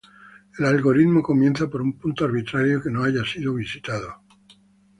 El algoritmo comienza por un punto arbitrario que no haya sido visitado.